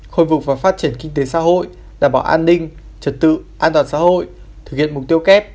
khôi phục và phát triển kinh tế xã hội đảm bảo an ninh trật tự an toàn xã hội thực hiện mục tiêu kép